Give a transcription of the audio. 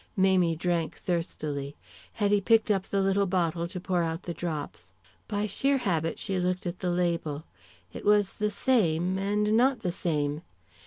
Mamie drank thirstily. Hetty picked up the little bottle to pour out the drops. By sheer habit she looked at the label. It was the same, and not the same.